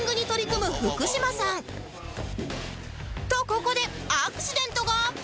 ここでアクシデントが